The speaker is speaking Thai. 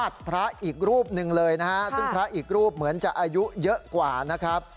ซึ่งพระอีกรูปเหมือนจะอายุเยอะกว่านะครับ